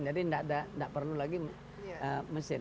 jadi tidak perlu lagi mesin